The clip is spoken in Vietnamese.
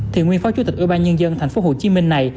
thì nguyên phó chủ tịch ủy ban nhân dân tp hcm này